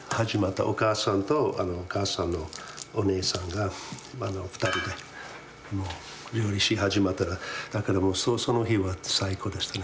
お母さんとお母さんのお姉さんが２人で料理し始めたらその日は最高でしたね。